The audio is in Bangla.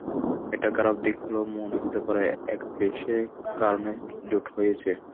এটার খারাপ দিক হলো মনে হতে পারে একপেশে কারণে জোট হয়েছে।